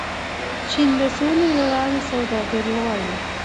چین د سولې له لارې سوداګري غواړي.